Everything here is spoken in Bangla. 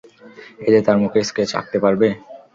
এতে তার মুখের স্ক্যাচ আঁকতে পারবে?